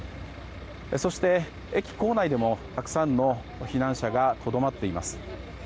そして、駅構内でもたくさんの避難者がとどまっています。